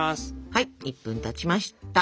はい１分たちました。